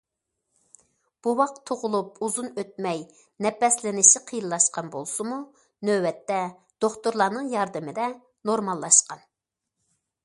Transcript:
بوۋاق تۇغۇلۇپ ئۇزۇن ئۆتمەي نەپەسلىنىشى قىيىنلاشقان بولسىمۇ، نۆۋەتتە دوختۇرلارنىڭ ياردىمىدە نورماللاشقان.